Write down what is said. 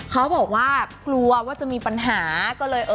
เขาบอกว่ากลัวว่าจะมีปัญหาก็เลยเออ